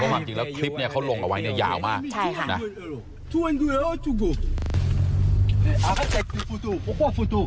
ความจริงแล้วคลิปเนี่ยเขาลงเอาไว้เนี่ยยาวมาก